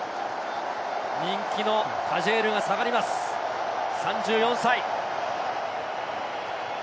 人気のタジェールが下がります、３４歳。